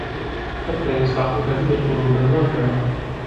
حَتَّى يَسْتَعْطِفَ بِهِ الْقُلُوبَ النَّافِرَةَ